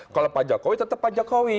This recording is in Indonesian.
kalau pak jokowi tetap pak jokowi